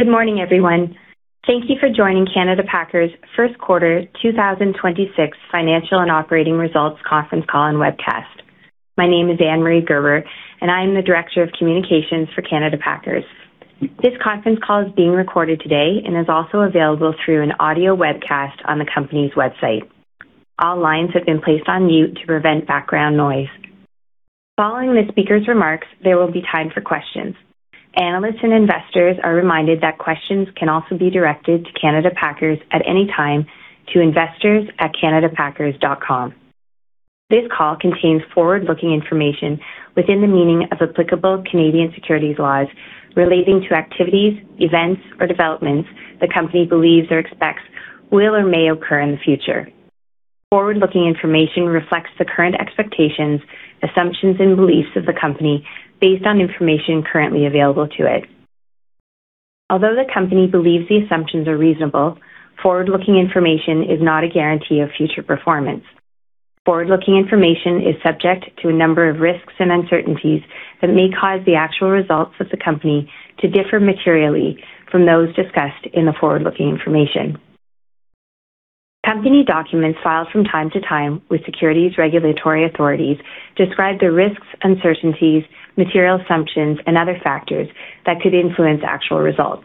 Good morning, everyone. Thank you for joining Canada Packers' First Quarter 2026 Financial and Operating Results Conference Call and Webcast. My name is Anne Marie Gerber, and I am the Director of Communications for Canada Packers. This conference call is being recorded today and is also available through an audio webcast on the company's website. All lines have been placed on mute to prevent background noise. Following the speaker's remarks, there will be time for questions. Analysts and investors are reminded that questions can also be directed to Canada Packers at any time to investors@canadapackers.com. This call contains forward-looking information within the meaning of applicable Canadian securities laws relating to activities, events, or developments the company believes or expects will or may occur in the future. Forward-looking information reflects the current expectations, assumptions, and beliefs of the company based on information currently available to it. Although the company believes the assumptions are reasonable, forward-looking information is not a guarantee of future performance. Forward-looking information is subject to a number of risks and uncertainties that may cause the actual results of the company to differ materially from those discussed in the forward-looking information. Company documents filed from time to time with securities regulatory authorities describe the risks, uncertainties, material assumptions, and other factors that could influence actual results.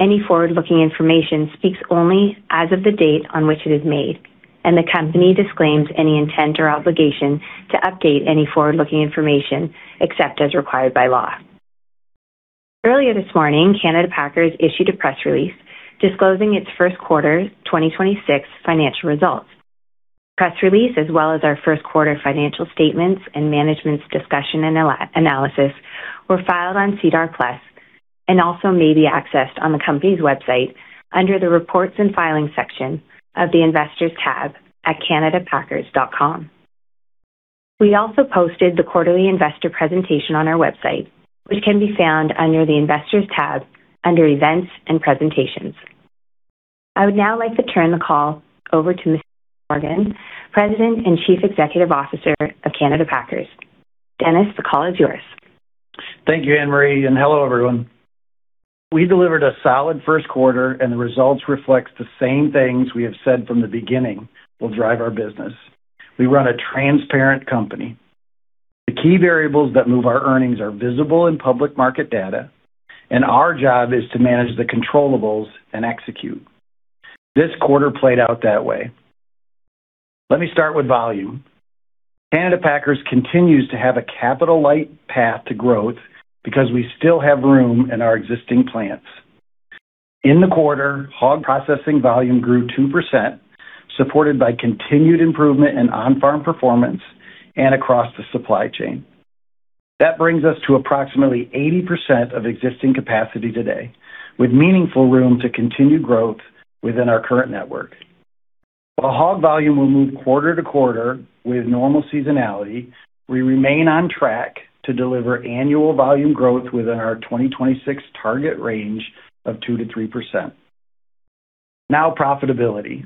Any forward-looking information speaks only as of the date on which it is made, and the company disclaims any intent or obligation to update any forward-looking information, except as required by law. Earlier this morning, Canada Packers issued a press release disclosing its first quarter 2026 financial results. Press release, as well as our first quarter financial statements and management's discussion and analysis were filed on SEDAR+ and also may be accessed on the company's website under the Reports and Filings section of the Investor's tab at canadapackers.com. We also posted the quarterly investor presentation on our website, which can be found under the Investor's tab under Events and Presentations. I would now like to turn the call over to Dennis Organ, President and Chief Executive Officer of Canada Packers. Dennis, the call is yours. Thank you, Anne Marie, and hello, everyone. We delivered a solid first quarter. The results reflects the same things we have said from the beginning will drive our business. We run a transparent company. The key variables that move our earnings are visible in public market data. Our job is to manage the controllables and execute. This quarter played out that way. Let me start with volume. Canada Packers continues to have a capital-light path to growth because we still have room in our existing plants. In the quarter, hog processing volume grew 2%, supported by continued improvement in on-farm performance and across the supply chain. That brings us to approximately 80% of existing capacity today, with meaningful room to continue growth within our current network. While hog volume will move quarter-to-quarter with normal seasonality, we remain on track to deliver annual volume growth within our 2026 target range of 2%-3%. Profitability.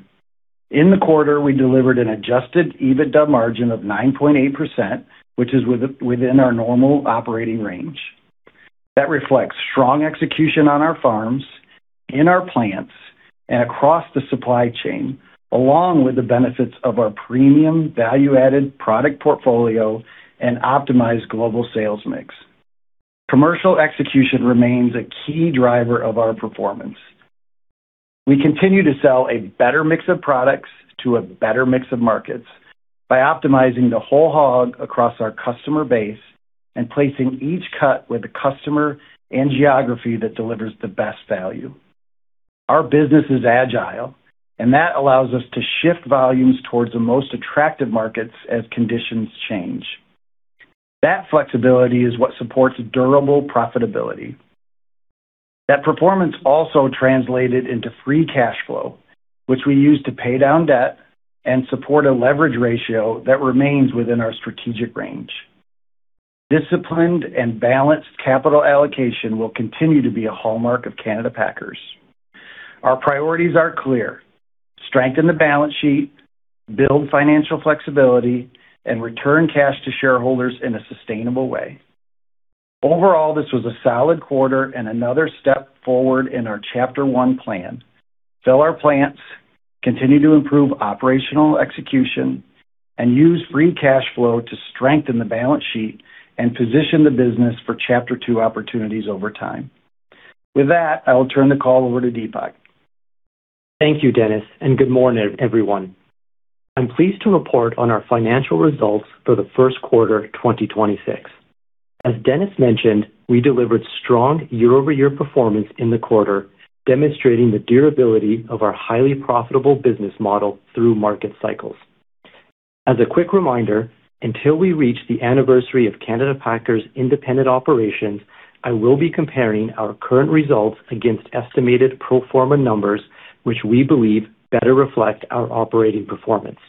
In the quarter, we delivered an adjusted EBITDA margin of 9.8%, which is within our normal operating range. That reflects strong execution on our farms, in our plants, and across the supply chain, along with the benefits of our premium value-added product portfolio and optimized global sales mix. Commercial execution remains a key driver of our performance. We continue to sell a better mix of products to a better mix of markets by optimizing the whole hog across our customer base and placing each cut with the customer and geography that delivers the best value. Our business is agile, that allows us to shift volumes towards the most attractive markets as conditions change. That flexibility is what supports durable profitability. That performance also translated into free cash flow, which we use to pay down debt and support a leverage ratio that remains within our strategic range. Disciplined and balanced capital allocation will continue to be a hallmark of Canada Packers. Our priorities are clear. Strengthen the balance sheet, build financial flexibility, and return cash to shareholders in a sustainable way. Overall, this was a solid quarter and another step forward in our chapter one plan. Fill our plants, continue to improve operational execution, and use free cash flow to strengthen the balance sheet and position the business for chapter two opportunities over time. With that, I will turn the call over to Deepak. Thank you, Dennis, and good morning, everyone. I'm pleased to report on our financial results for the first quarter 2026. As Dennis mentioned, we delivered strong year-over-year performance in the quarter, demonstrating the durability of our highly profitable business model through market cycles. As a quick reminder, until we reach the anniversary of Canada Packers' independent operations, I will be comparing our current results against estimated pro forma numbers, which we believe better reflect our operating performance.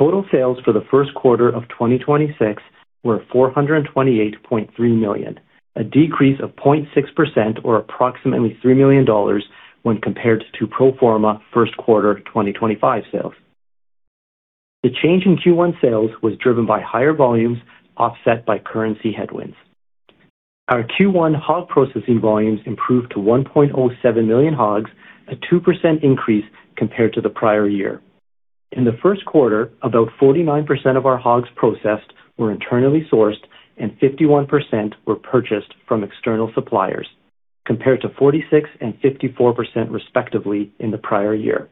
Total sales for the first quarter of 2026 were 428.3 million, a decrease of 0.6% or approximately 3 million dollars when compared to pro forma first quarter 2025 sales. The change in Q1 sales was driven by higher volumes offset by currency headwinds. Our Q1 hog processing volumes improved to 1.07 million hogs, a 2% increase compared to the prior year. In the first quarter, about 49% of our hogs processed were internally sourced, and 51% were purchased from external suppliers, compared to 46% and 54% respectively in the prior year.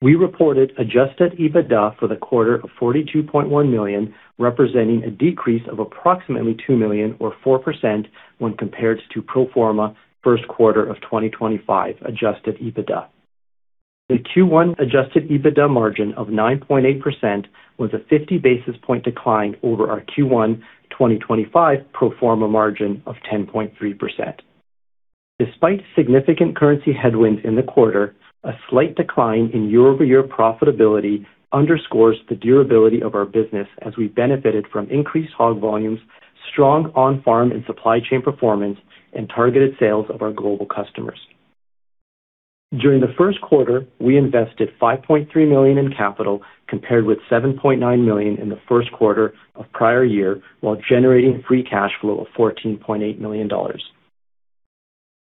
We reported adjusted EBITDA for the quarter of 42.1 million, representing a decrease of approximately 2 million or 4% when compared to pro forma first quarter of 2025 adjusted EBITDA. The Q1 adjusted EBITDA margin of 9.8% was a 50 basis points decline over our Q1 2025 pro forma margin of 10.3%. Despite significant currency headwinds in the quarter, a slight decline in year-over-year profitability underscores the durability of our business as we benefited from increased hog volumes, strong on-farm and supply chain performance, and targeted sales of our global customers. During the first quarter, we invested 5.3 million in capital, compared with 7.9 million in the first quarter of prior year, while generating free cash flow of 14.8 million dollars.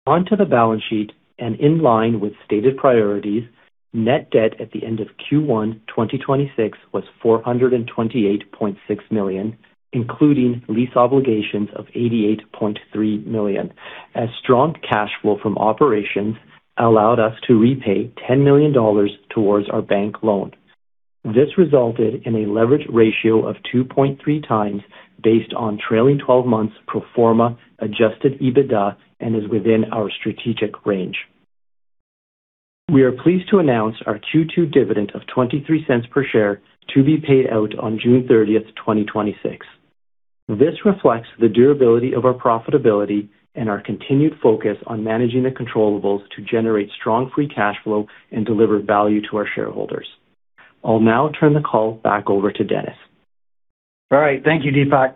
On to the balance sheet and in line with stated priorities, net debt at the end of Q1 2026 was 428.6 million, including lease obligations of 88.3 million, as strong cash flow from operations allowed us to repay 10 million dollars towards our bank loan. This resulted in a leverage ratio of 2.3x based on trailing 12 months pro forma adjusted EBITDA and is within our strategic range. We are pleased to announce our Q2 dividend of 0.23 per share to be paid out on June 30th, 2026. This reflects the durability of our profitability and our continued focus on managing the controllables to generate strong free cash flow and deliver value to our shareholders. I'll now turn the call back over to Dennis. All right, thank you, Deepak.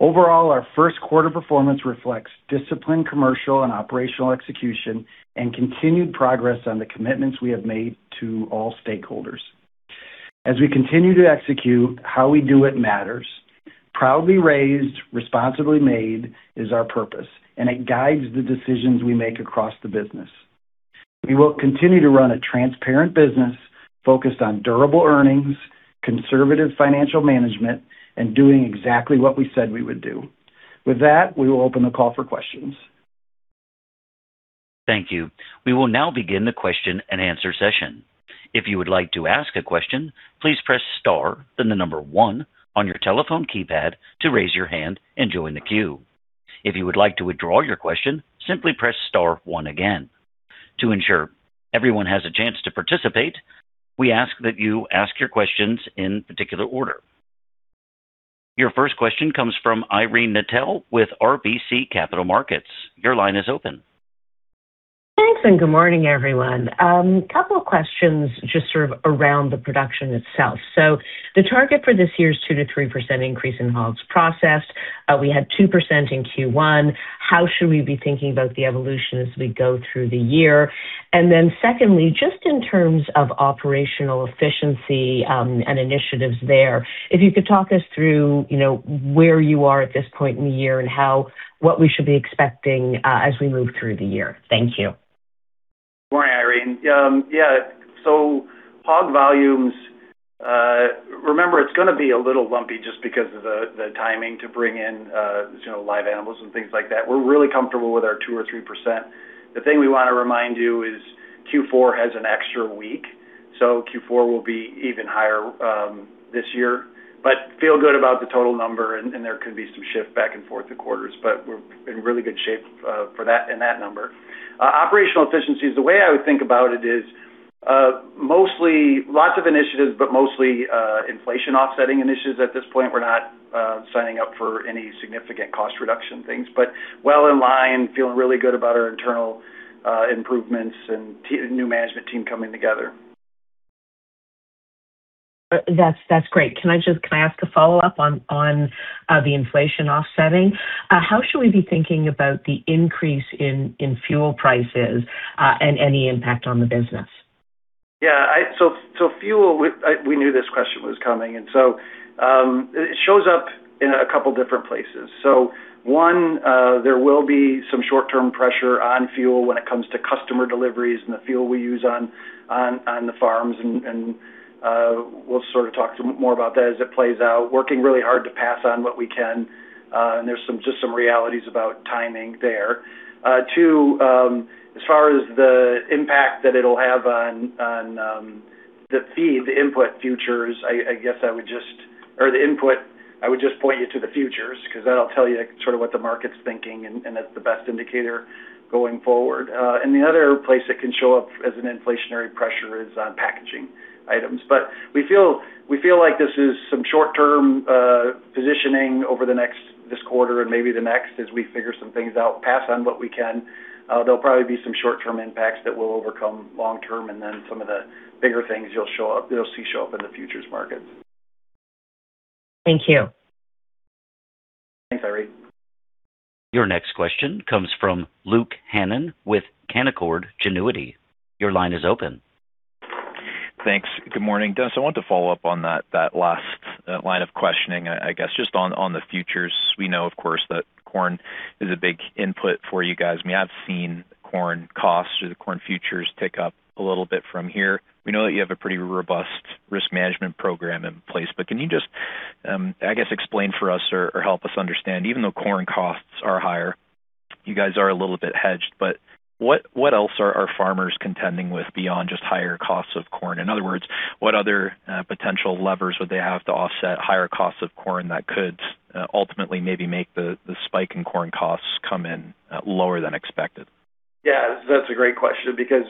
Overall, our first quarter performance reflects disciplined commercial and operational execution and continued progress on the commitments we have made to all stakeholders. As we continue to execute, how we do it matters. Proudly raised; Responsibly made is our purpose, and it guides the decisions we make across the business. We will continue to run a transparent business focused on durable earnings, conservative financial management, and doing exactly what we said we would do. With that, we will open the call for questions. Thank you. We will now begin the question-and-answer session. If you would like to ask a question, please press star then the number one on your telephone keypad to raise your hand and join the queue. If you would like to withdraw your question, simply press star one again. To ensure everyone has a chance to participate, we ask that you ask your questions in particular order. Your first question comes from Irene Nattel with RBC Capital Markets. Your line is open. Thanks, and good morning, everyone. Couple questions just sort of around the production itself. The target for this year's 2%-3% increase in hogs processed. We had 2% in Q1. How should we be thinking about the evolution as we go through the year? Secondly, just in terms of operational efficiency, and initiatives there, if you could talk us through, you know, where you are at this point in the year and how, what we should be expecting as we move through the year. Thank you. Morning, Irene. Yeah, so hog volumes, remember, it's gonna be a little lumpy just because of the timing to bring in, you know, live animals and things like that. We're really comfortable with our 2% or 3%. The thing we wanna remind you is Q4 has an extra week, so Q4 will be even higher this year. Feel good about the total number and there could be some shift back and forth in quarters, but we're in really good shape for that and that number. Operational efficiencies, the way I would think about it is mostly lots of initiatives, but mostly inflation offsetting initiatives at this point. We're not signing up for any significant cost reduction things. Well in line, feeling really good about our internal improvements and new management team coming together. That's great. Can I ask a follow-up on the inflation offsetting? How should we be thinking about the increase in fuel prices and any impact on the business? Fuel, we knew this question was coming. It shows up in two different places. One, there will be some short-term pressure on fuel when it comes to customer deliveries and the fuel we use on the farms, and we'll sort of talk some more about that as it plays out. Working really hard to pass on what we can, and there's some realities about timing there. Two, as far as the impact that it'll have on the feed, the input futures, I would just point you to the futures, 'cause that'll tell you sort of what the market's thinking and that's the best indicator going forward. The other place it can show up as an inflationary pressure is on packaging items. We feel like this is some short-term positioning over the next, this quarter and maybe the next as we figure some things out, pass on what we can. There'll probably be some short-term impacts that we'll overcome long term, some of the bigger things you'll show up, you'll see show up in the futures markets. Thank you. Thanks, Irene. Your next question comes from Luke Hannan with Canaccord Genuity. Your line is open. Thanks. Good morning. Dennis, I want to follow up on that last line of questioning, I guess just on the futures. We know, of course, that corn is a big input for you guys. We have seen corn costs or the corn futures tick up a little bit from here. We know that you have a pretty robust risk management program in place, but can you just, I guess, explain for us or help us understand, even though corn costs are higher, you guys are a little bit hedged, but what else are our farmers contending with beyond just higher costs of corn? In other words, what other potential levers would they have to offset higher costs of corn that could ultimately maybe make the spike in corn costs come in lower than expected? Yeah, that's a great question because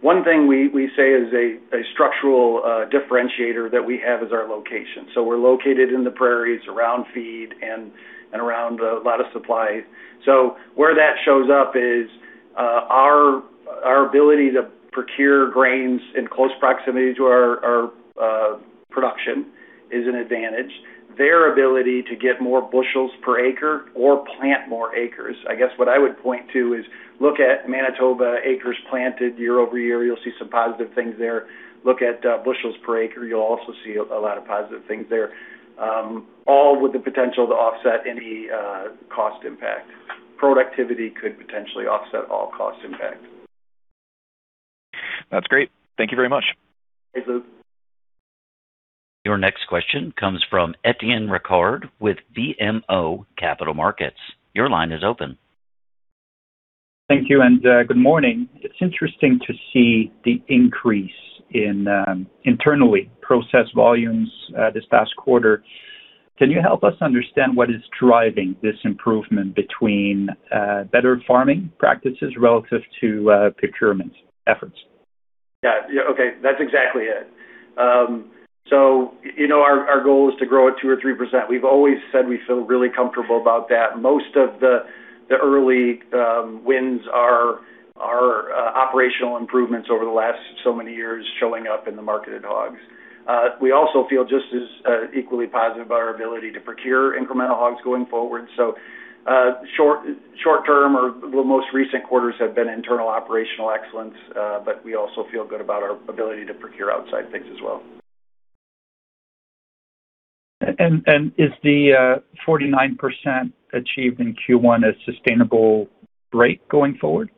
one thing we say is a structural differentiator that we have is our location. We're located in the prairies around feed and around a lot of supply. Where that shows up is our ability to procure grains in close proximity to our production is an advantage. Their ability to get more bushels per acre or plant more acres. I guess what I would point to is look at Manitoba acres planted year-over-year, you'll see some positive things there. Look at bushels per acre, you'll also see a lot of positive things there. All with the potential to offset any cost impact. Productivity could potentially offset all cost impact. That's great. Thank you very much. Thanks, Luke. Your next question comes from Etienne Ricard with BMO Capital Markets. Your line is open. Thank you and good morning. It's interesting to see the increase in internally processed volumes this past quarter. Can you help us understand what is driving this improvement between better farming practices relative to procurement efforts? Yeah. Okay, that's exactly it. you know, our goal is to grow at 2% or 3%. We've always said we feel really comfortable about that. Most of the early wins are operational improvements over the last so many years showing up in the marketed hogs. We also feel just as equally positive about our ability to procure incremental hogs going forward. short-term or the most recent quarters have been internal operational excellence, but we also feel good about our ability to procure outside things as well. Is the 49% achieved in Q1 a sustainable rate going forward?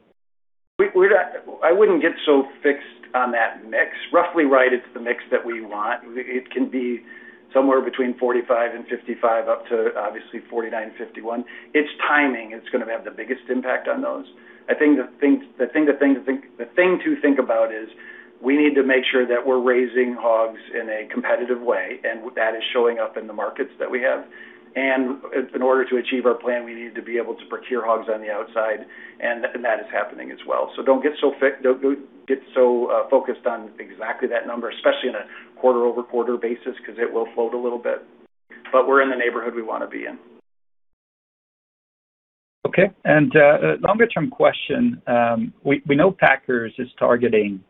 We're not I wouldn't get so fixed on that mix. Roughly right, it's the mix that we want. It can be somewhere between 45% and 55%, up to obviously 49% and 51%. It's timing that's going to have the biggest impact on those. The thing to think about is we need to make sure that we're raising hogs in a competitive way, and that is showing up in the markets that we have. In order to achieve our plan, we need to be able to procure hogs on the outside, and that is happening as well. Don't get so focused on exactly that number, especially on a quarter-over-quarter basis, because it will float a little bit, but we're in the neighborhood we want to be in. Okay. A longer-term question. We know Packers is targeting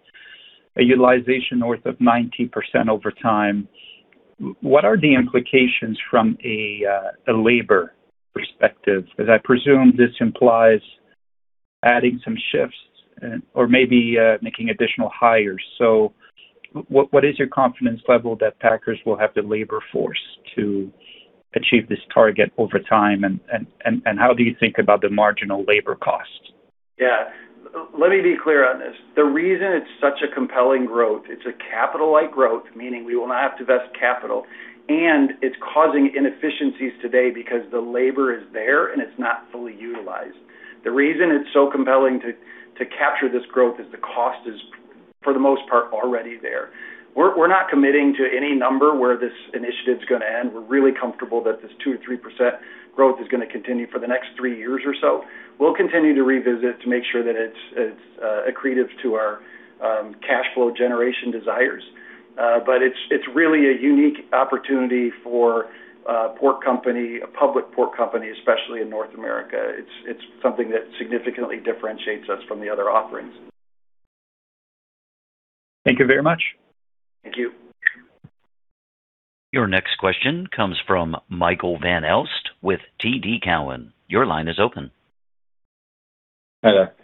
a utilization north of 90% over time. What are the implications from a labor perspective? As I presume this implies adding some shifts or maybe making additional hires. What is your confidence level that Canada Packers will have the labor force to achieve this target over time and how do you think about the marginal labor cost? Yeah. Let me be clear on this. The reason it's such a compelling growth, it's a capital-like growth, meaning we will not have to invest capital, and it's causing inefficiencies today because the labor is there and it's not fully utilized. The reason it's so compelling to capture this growth is the cost is, for the most part, already there. We're not committing to any number where this initiative is gonna end. We're really comfortable that this 2% or 3% growth is gonna continue for the next three years or so. We'll continue to revisit to make sure that it's accretive to our cash flow generation desires. It's really a unique opportunity for a pork company, a public pork company, especially in North America. It's something that significantly differentiates us from the other offerings. Thank you very much. Thank you. Your next question comes from Michael Van Aelst with TD Cowen. Your line is open. Hi there.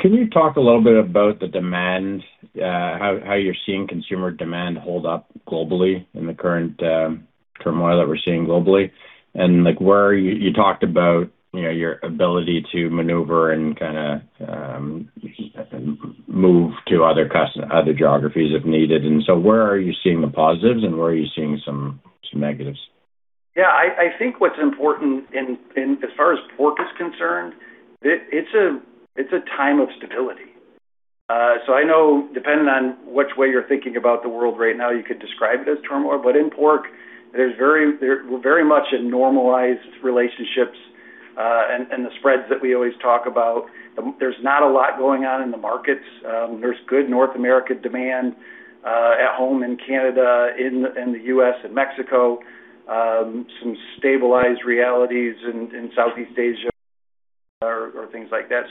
Can you talk a little bit about the demand, how you're seeing consumer demand hold up globally in the current turmoil that we're seeing globally? Like, where you talked about, you know, your ability to maneuver and kinda move to other geographies if needed. Where are you seeing the positives and where are you seeing some negatives? Yeah. I think what's important in as far as pork is concerned, it's a time of stability. I know depending on which way you're thinking about the world right now, you could describe it as turmoil, but in pork, we're very much in normalized relationships and the spreads that we always talk about. There's not a lot going on in the markets. There's good North American demand at home in Canada, in the U.S. and Mexico. Some stabilized realities in Southeast Asia. Or things like that.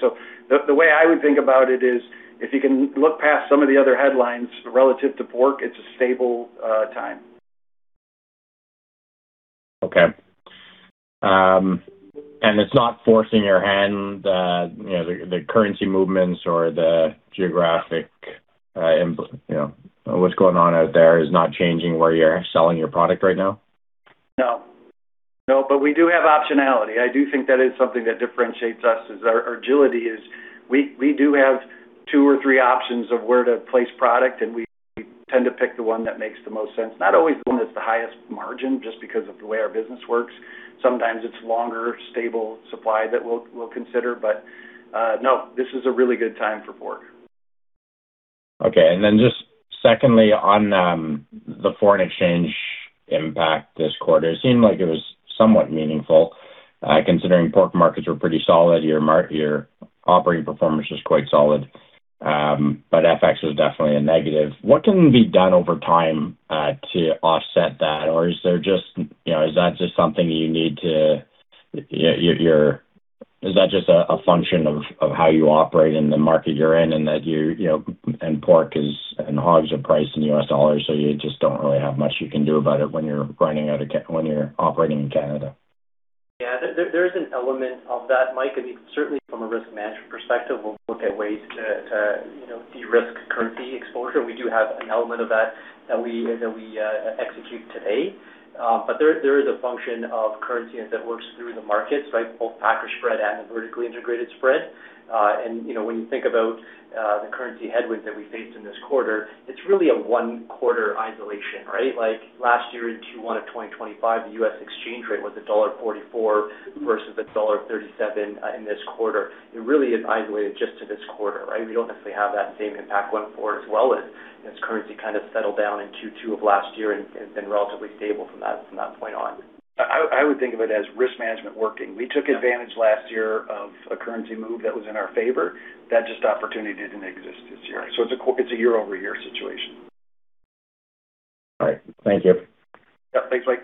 The way I would think about it is if you can look past some of the other headlines relative to pork, it's a stable time. Okay. It's not forcing your hand, you know, the currency movements or the geographic, you know, what's going on out there is not changing where you're selling your product right now? No. No, but we do have optionality. I do think that is something that differentiates us is our agility is we do have two or three options of where to place product, and we tend to pick the one that makes the most sense. Not always the one that's the highest margin just because of the way our business works. Sometimes it's longer stable supply that we'll consider. No, this is a really good time for pork. Okay. Just secondly on the foreign exchange impact this quarter, it seemed like it was somewhat meaningful, considering pork markets were pretty solid. Your operating performance was quite solid. FX was definitely a negative. What can be done over time to offset that? Is that just, you know, a function of how you operate in the market you're in and that you know, and pork is, and hogs are priced in U.S. dollars, so you just don't really have much you can do about it when you're operating in Canada? Yeah. There is an element of that, Mike. I mean, certainly from a risk management perspective, we'll look at ways to, you know, de-risk currency exposure. We do have an element of that we execute today. There is a function of currency as it works through the markets, right? Both packer spread and vertically integrated spread. You know, when you think about the currency headwinds that we faced in this quarter, it's really a one quarter isolation, right? Like, last year in Q1 of 2025, the U.S. exchange rate was dollar 1.44 versus dollar 1.37 in this quarter. It really is isolated just to this quarter, right? We don't necessarily have that same impact going forward as well as its currency kind of settled down in Q2 of last year and been relatively stable from that, from that point on. I would think of it as risk management working. Yeah. We took advantage last year of a currency move that was in our favor. That just opportunity didn't exist this year. It's a year-over-year situation. All right. Thank you. Yeah. Thanks, Mike.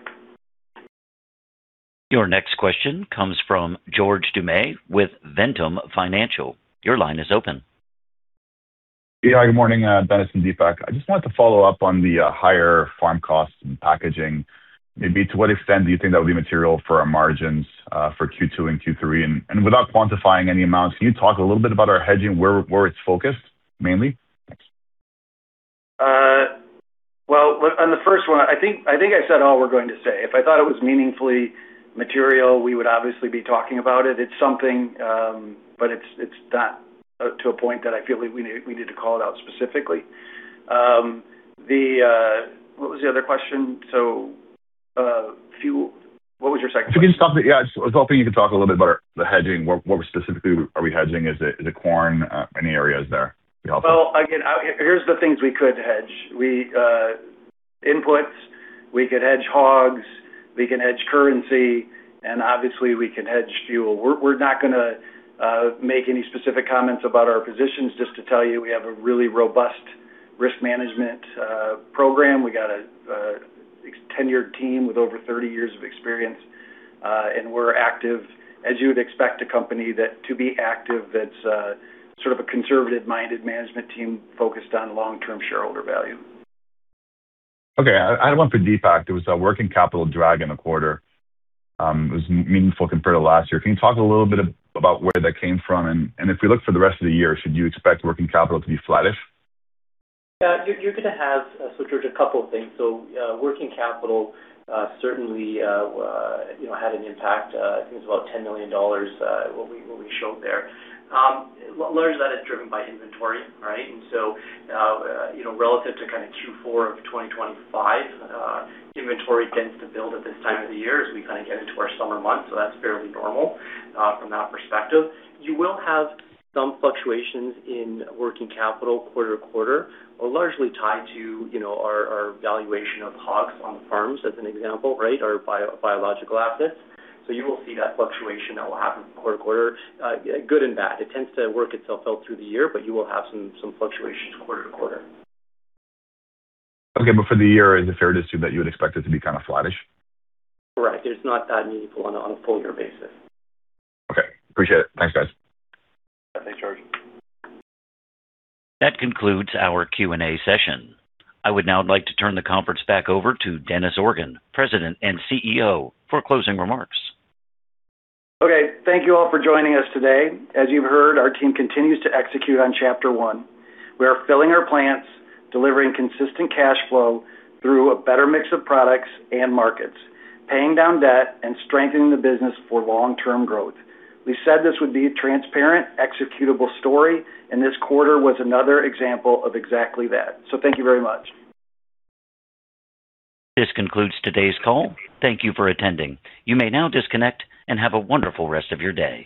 Your next question comes from George Doumet with Ventum Financial. Your line is open. Yeah. Good morning, Dennis and Deepak. I just wanted to follow up on the higher farm costs and packaging. Maybe to what extent do you think that would be material for our margins for Q2 and Q3? Without quantifying any amounts, can you talk a little bit about our hedging, where it's focused mainly? Well, on the first one, I think I said all we're going to say. If I thought it was meaningfully material, we would obviously be talking about it. It's something, but it's not to a point that I feel like we need to call it out specifically. What was the other question? Fuel. What was your second question? If you can just talk, yeah, I was hoping you could talk a little bit about the hedging. What specifically are we hedging? Is it the corn? Any areas there you can help with? Well, again, here's the things we could hedge. We inputs, we could hedge hogs, we can hedge currency, and obviously we can hedge fuel. We're not gonna make any specific comments about our positions just to tell you we have a really robust risk management program. We got a tenured team with over 30 years of experience, and we're active as you would expect a company that to be active that's sort of a conservative-minded management team focused on long-term shareholder value. Okay. I had one for Deepak. It was a working capital drag in the quarter. It was meaningful compared to last year. Can you talk a little bit about where that came from? If we look for the rest of the year, should you expect working capital to be flattish? You're, you're gonna have, so George, a couple of things. Working capital, certainly, you know, had an impact. I think it was about 10 million dollars, what we, what we showed there. Large of that is driven by inventory, right? You know, relative to kind of Q4 of 2025, inventory tends to build at this time of the year as we kind of get into our summer months, so that's fairly normal from that perspective. You will have some fluctuations in working capital quarter-to-quarter are largely tied to, you know, our valuation of hogs on farms as an example, right? Our biological assets. You will see that fluctuation that will happen quarter-to-quarter, good and bad. It tends to work itself out through the year, but you will have some fluctuations quarter-to-quarter. Okay. For the year, is it fair to assume that you would expect it to be kind of flattish? Correct. It's not that meaningful on a full year basis. Okay. Appreciate it. Thanks, guys. Yeah. Thanks, George. That concludes our Q&A session. I would now like to turn the conference back over to Dennis Organ, President and CEO, for closing remarks. Thank you all for joining us today. As you've heard, our team continues to execute on chapter one. We are filling our plants, delivering consistent cash flow through a better mix of products and markets, paying down debt and strengthening the business for long-term growth. We said this would be a transparent, executable story, and this quarter was another example of exactly that. Thank you very much. This concludes today's call. Thank you for attending. You may now disconnect and have a wonderful rest of your day.